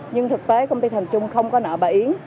nhưng thực tế công ty thành trung không có nợ bảo yến